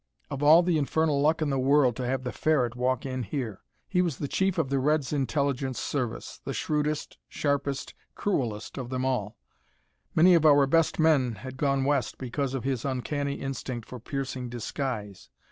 Of all the infernal luck in the world, to have the Ferret walk in here! He was chief of the Red's Intelligence Service, the shrewdest, sharpest, cruelest of them all. Many of our best men had gone west because of his uncanny instinct for piercing disguise.